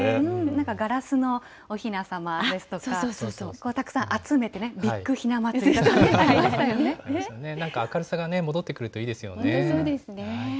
なんかガラスのおひなさまですとか、たくさん集めてビッグひなんか明るさが戻ってくるとそうですね。